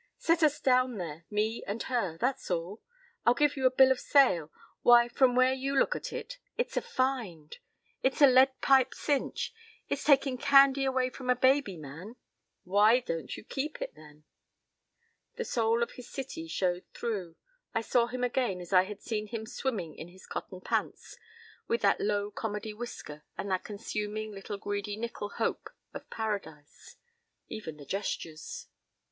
p> "Set us down there, me and her, that's all. I'll give you a bill of sale. Why, from where you look at it, it's a find! It's a lead pipe cinch! It's taking candy away from a baby, man!" "Why don't you keep it, then?" The soul of his city showed through. I saw him again as I had seen him swimming in his cotton pants, with that low comedy whisker and that consuming little greedy nickel hope of paradise. Even the gestures.